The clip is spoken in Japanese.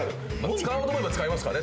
使おうと思えば使えますかね